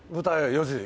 ４時。